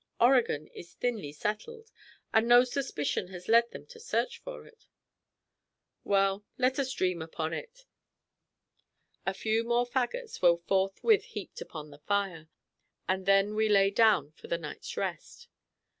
"Oregon is thinly settled, and no suspicion has led them to search for it." "Well, let us dream upon it." A few more fagots were forthwith heaped upon the fire, and then we lay down for the night's rest.